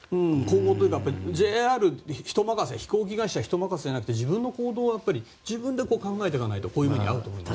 ＪＲ、人任せ飛行機会社の人任せじゃなくて自分の行動を自分で考えていかないとこういうのに遭うと思います。